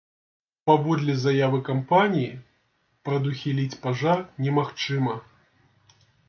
Паводле заявы кампаніі, прадухіліць пажар немагчыма.